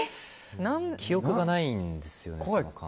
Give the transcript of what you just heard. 記憶がないんですよね、その間。